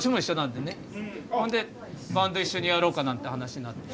ほんでバンド一緒にやろうかなんて話になって。